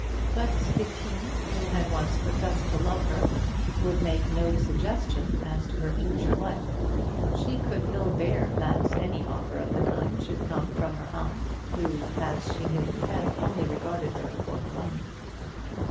But if he, who had once professed to love her, would make no suggestion as to her future life, she could ill bear that any offer of the kind should come from her aunt, who, as she knew, had only regarded her for her money.